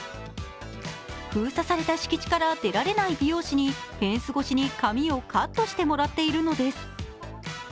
封鎖された敷地から出られない美容師にフェンス越しに髪をカットしてもらっているのです。